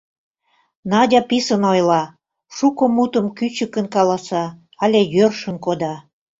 Надя писын ойла, шуко мутым кӱчыкын каласа але йӧршын кода.